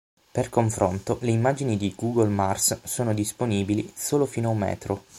Per confronto le immagini di Google Mars sono disponibili solo fino a un metro.